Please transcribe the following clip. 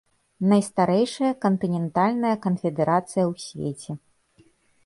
Найстарэйшая кантынентальная канфедэрацыя ў свеце.